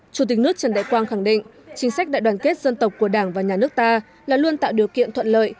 chủ tịch nước trần đại quang khẳng định chính sách đại đoàn kết dân tộc của đảng và nhà nước ta là luôn tạo điều kiện thuận lợi